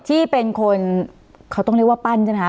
ที่เป็นคนเขาต้องเรียกว่าปั้นใช่ไหมคะ